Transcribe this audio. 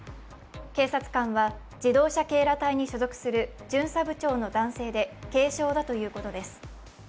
警察官は自動車警ら隊に所属する巡査部長の男性で軽傷だということです。